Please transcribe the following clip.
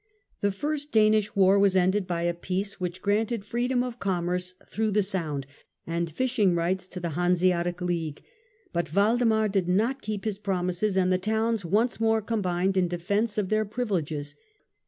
The first Danish war was ended by a peace which granted freedom of com merce through the Sound and fishing rights to the Hanse atic League ; but Waldemar did not keep his promises and the towns once more combined in defence of their privileges.